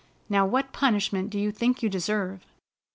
Now what punishment do you think you deserve?